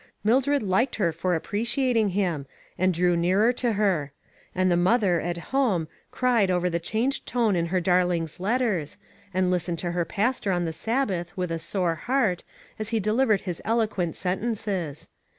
Mildred liked her for appre ciating him, and drew nearer to her; and the mother, at home, cried over the changed A TOUCH OF THE WORLD. 399 tone in her darling's letters, and listened to her pastor on the Sabbath with a sore heart, as he delivered his eloquent sentences.